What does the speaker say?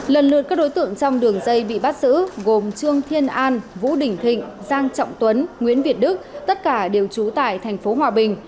lần lượt các đối tượng trong đường dây bị bắt giữ gồm trương thiên an vũ đỉnh thịnh giang trọng tuấn nguyễn việt đức tất cả đều trú tại thành phố hòa bình